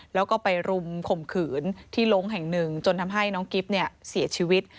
แล้วก็ไปรุมข่มขืนที่โรงแห่งหนึ่งจนทำให้น้องกิ๊บเนี่ยเสียชีวิต